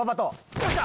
よっしゃ！